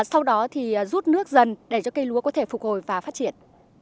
sau đó thì rút nước dần để cho cây lúa có thể phục hồi và phát triển